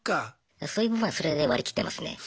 そういう部分はそれで割り切ってますね。